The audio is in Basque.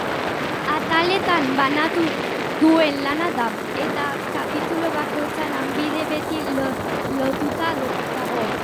Ataletan banatu duten lana da, eta kapitulu bakoitza lanbide bati lotuta dago.